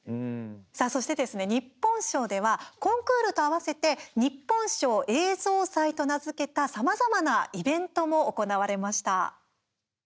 さあ、そしてですね日本賞ではコンクールと合わせて日本賞映像祭と名付けたさまざまなイベントも行われました。